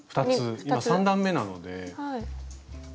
２つ今３段めなので。